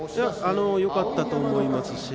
よかったと思います。